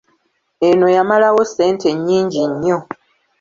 Eno yamalawo ssente nnyingi nnyo.